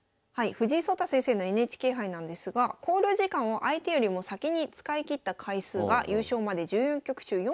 藤井聡太先生のＮＨＫ杯なんですが考慮時間を相手よりも先に使い切った回数が優勝まで１４局中４局ありました。